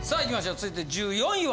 続いて１４位は。